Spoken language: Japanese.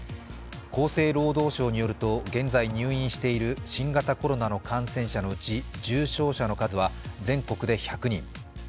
厚生労働省によると現在入院している新型コロナの感染者のうち重症者の数は全国で１００人。